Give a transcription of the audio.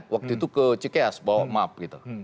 waktu itu ke cikeas bawa map gitu